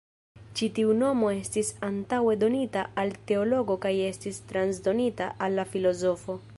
Ĉi tiu nomo estis antaŭe donita al teologo kaj estis transdonita al la filozofo.